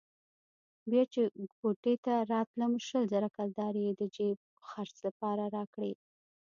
بيا چې کوټې ته راتلم شل زره کلدارې يې د جېب خرڅ لپاره راکړې.